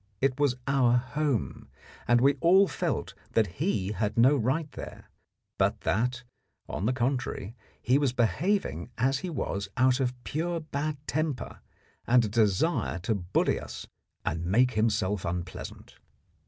It was our home, and we all felt that he had no right there, but that, on the contrary, he was behaving as he was out of pure bad temper and a desire to bully us and make himself unpleasant.